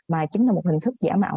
mà chính là một hình thức giả mạo